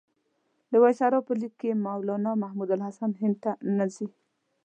د وایسرا په لیک کې مولنا محمودالحسن هند ته نه راځي.